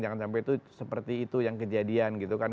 jangan sampai itu seperti itu yang kejadian gitu kan